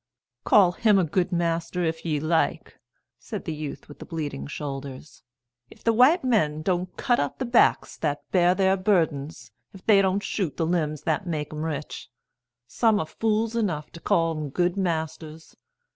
"Call him a good master if ye like," said the youth with the bleeding shoulders. "If the white men don't cut up the backs that bear their burdens, if they don't shoot the limbs that make 'em rich, some are fools enough to call 'em good masters.